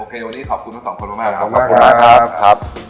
โอเควันนี้ขอบคุณทั้ง๒คนมาก